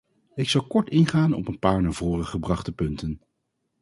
Ik zal kort ingaan op een paar naar voren gebrachte punten.